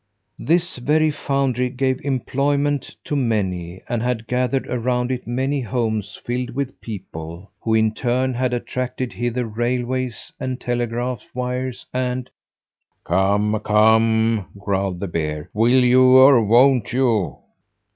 "This very foundry gave employment to many, and had gathered around it many homes filled with people, who, in turn, had attracted hither railways and telegraph wires and " "Come, come!" growled the bear. "Will you or won't you?"